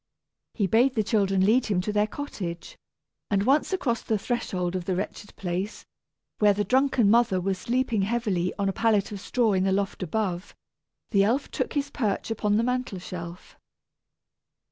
He bade the children lead him to their cottage, and once across the threshold of the wretched place, where the drunken mother was sleeping heavily on a pallet of straw in the loft above, the elf took his perch upon the mantel shelf.